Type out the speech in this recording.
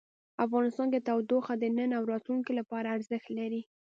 افغانستان کې تودوخه د نن او راتلونکي لپاره ارزښت لري.